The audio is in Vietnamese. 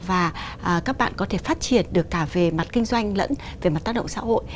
và các bạn có thể phát triển được cả về mặt kinh doanh lẫn về mặt tác động xã hội